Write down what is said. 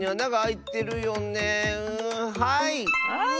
はい！